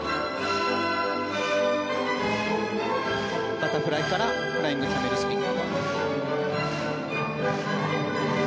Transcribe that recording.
バタフライからフライングキャメルスピン。